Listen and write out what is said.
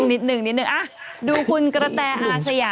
ตรงนิดหนึ่งนิดหนึ่งอะดูคุณกระแทะอาสยา